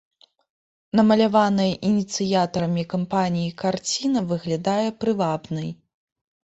Намаляваная ініцыятарамі кампаніі карціна выглядае прывабнай.